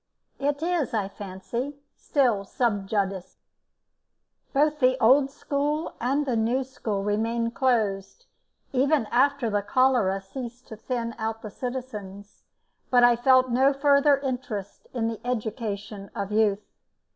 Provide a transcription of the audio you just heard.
It is, I fancy, still 'sub judice'. Both the old school and the new school remained closed even after the cholera ceased to thin out the citizens, but I felt no further interest in the education of youth.